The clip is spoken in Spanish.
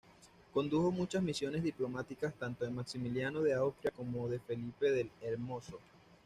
Condujo muchas misiones diplomáticas tanto de Maximiliano de Austria como de Felipe el Hermoso.